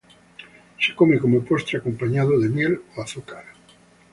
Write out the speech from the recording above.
Se come como postre acompañado de miel o azúcar.